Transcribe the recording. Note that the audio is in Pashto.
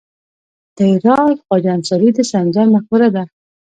د هرات خواجه انصاري د سنجر مقبره ده